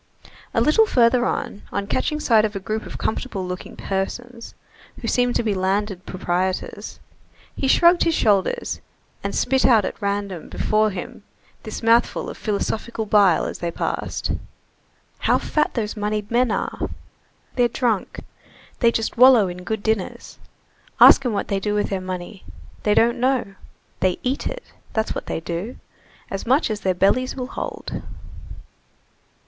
A little further on, on catching sight of a group of comfortable looking persons, who seemed to be landed proprietors, he shrugged his shoulders and spit out at random before him this mouthful of philosophical bile as they passed: "How fat those moneyed men are! They're drunk! They just wallow in good dinners. Ask 'em what they do with their money. They don't know. They eat it, that's what they do! As much as their bellies will hold."